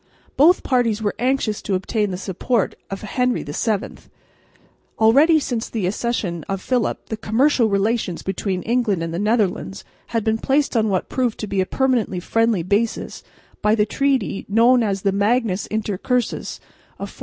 Both parties were anxious to obtain the support of Henry VII. Already since the accession of Philip the commercial relations between England and the Netherlands had been placed on what proved to be a permanently friendly basis by the treaty known as the Magnus Intercursus of 1496.